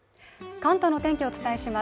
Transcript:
関東の天気をお伝えします